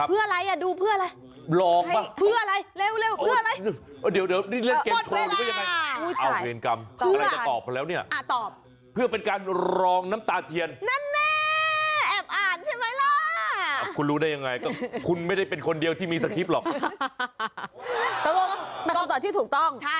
เพื่ออะไรล่ะก่อนเทียนกล่องก่อนที่ถูกต้อง